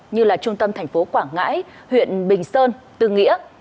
như là trung tâm thành phố quảng ngãi huyện bình sơn tư nghĩa